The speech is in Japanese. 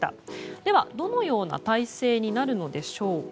では、どのような態勢になるのでしょうか。